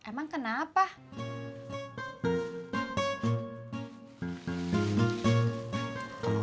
senang juga liat ini yang banget ini